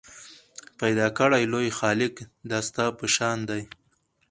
پیدا کړی لوی خالق دا ستا په شان دی